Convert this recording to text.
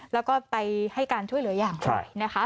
แล้วก็ไปให้การช่วยเหลืออย่างไรนะคะ